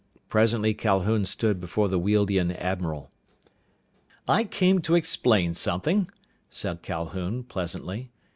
Presently Calhoun stood before the Wealdian admiral. "I came to explain something," said Calhoun pleasantly.